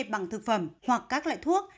bằng thực phẩm hoặc các loại thuốc